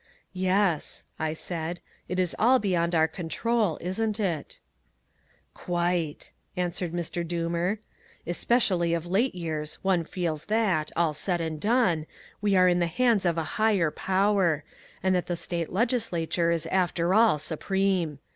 "Yes," I said, "it is all beyond our control, isn't it?" "Quite," answered Mr. Doomer; "especially of late years one feels that, all said and done, we are in the hands of a Higher Power, and that the State Legislature is after all supreme.